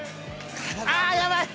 ああっやばい！